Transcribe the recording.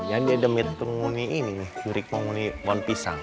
jadi ada mirip penghuni ini mirip penghuni bon pisang